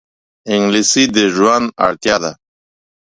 انګلیسي د ژوند اړتیا ده